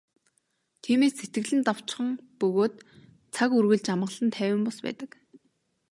Тиймээс сэтгэл нь давчхан бөгөөд цаг үргэлж амгалан тайван бус байдаг.